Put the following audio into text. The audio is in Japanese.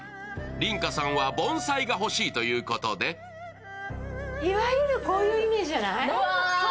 梨花さんは盆栽が欲しいということでいわゆるこういうイメージじゃない？